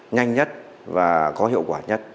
nhanh nhất và có hiệu quả nhất